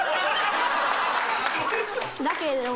だけれども。